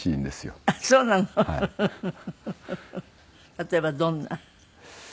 例えばどんな？